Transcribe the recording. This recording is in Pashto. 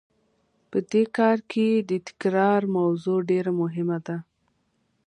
په دې کار کې د تکرار موضوع ډېره مهمه ده.